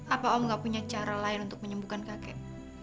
apa om gak punya cara lain untuk menyembuhkan kakek